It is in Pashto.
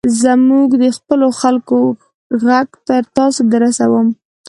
زه د خپلو خلکو ږغ تر تاسي در رسوم.